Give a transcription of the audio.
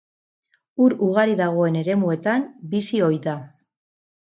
Ur ugari dagoen eremuetan bizi ohi da.